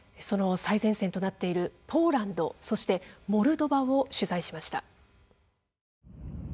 その最前線となっているポーランド、そしてモルドバを取材しました。